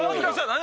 何？